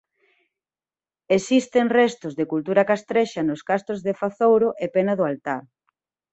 Existen restos da cultura castrexa nos castros de Fazouro e Pena do Altar.